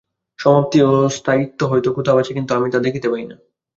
সমাপ্তি ও স্থায়িত্ব হয়তো কোথাও আছে, কিন্তু আমি তো দেখিতে পাই না।